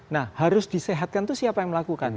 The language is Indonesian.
nah harus disehatkan itu siapa yang melakukan